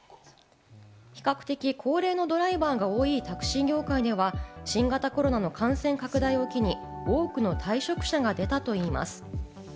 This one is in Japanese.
比較的高齢のドライバーも多いタクシー業界では、新型コロナの感染拡大を機に、多くの退職者が出たといいます。